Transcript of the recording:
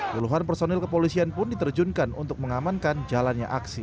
geluhan personel kepolisian pun diterjunkan untuk mengamankan jalannya aksi